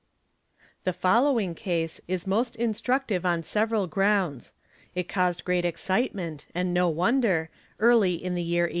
_ 'The following case is most instructive on several grounds; it caused great excitement, and no wonder, early in the year 1893.